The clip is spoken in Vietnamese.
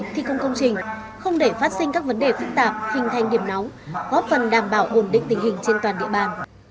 thi công công trình không để phát sinh các vấn đề phức tạp hình thành điểm nóng góp phần đảm bảo ổn định tình hình trên toàn địa bàn